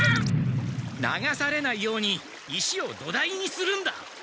流されないように石を土台にするんだ。